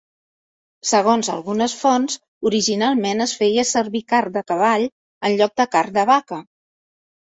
Segons algunes fonts, originalment es feia servir carn de cavall en lloc de carn de vaca.